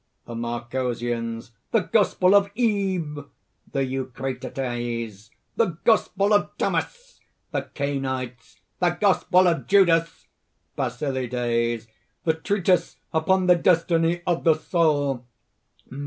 THE MARCOSIANS. "The Gospel of Eve!" THE EUCRATITES. "The Gospel of Thomas!" THE CAINITES. "The Gospel of Judas!" BASILIDES. "The Treatise upon the Destiny of the Soul!"